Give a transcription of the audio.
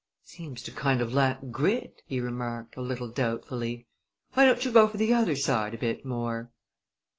"Seems to kind of lack grit," he remarked, a little doubtfully. "Why don't you go for the other side a bit more?"